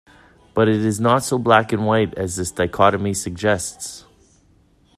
But it is not so black-and-white as this dichotomy suggests.